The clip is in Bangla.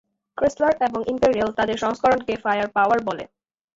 ক্রিসলার এবং ইম্পেরিয়াল তাদের সংস্করণকে "ফায়ারপাওয়ার" বলে।